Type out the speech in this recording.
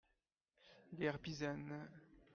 - Guerre pisane.